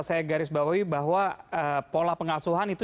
saya garis bawahi bahwa pola pengasuhan itu